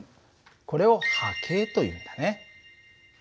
これを波形というんだね。